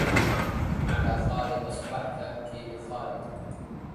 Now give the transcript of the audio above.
على خالد أصبحت أبكي لخالد